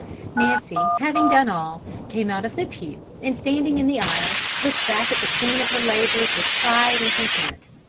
Nancy, having done all, came out of the pew, and standing in the aisle, looked back at the scene of her labours with pride and content.